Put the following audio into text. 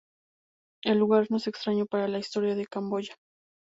El lugar no es extraño para la Historia de Camboya.